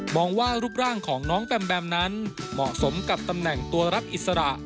องว่ารูปร่างของน้องแบมแบมนั้นเหมาะสมกับตำแหน่งตัวรับอิสระ